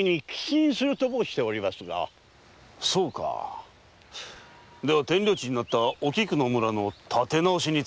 そうかでは天領地になったおきくの村の立て直しに使うか。